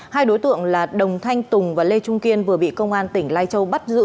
hai đối tượng là đồng thanh tùng và lê trung kiên vừa bị công an tỉnh lai châu bắt giữ